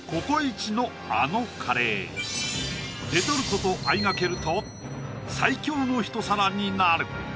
ＣｏＣｏ壱のあのカレーレトルトとあいがけると最強の一皿になる